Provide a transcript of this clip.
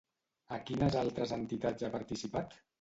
A quines altres entitats ha participat?